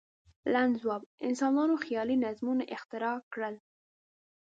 لنډ ځواب: انسانانو خیالي نظمونه اختراع کړل.